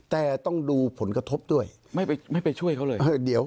แต่ต้องดูผลกระทบด้วยไม่ไปช่วยเขาเลย